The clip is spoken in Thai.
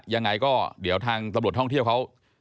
ยังไงก็เดี๋ยวทางตำรวจท่องเที่ยวเขา